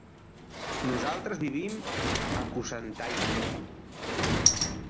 Nosaltres vivim a Cocentaina.